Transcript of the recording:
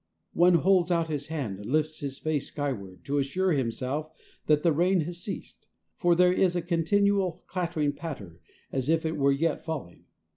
One holds out his hand and lifts his face skyward to assure himself that the rain has ceased, for there is a continual clattering patter as if it were yet falling.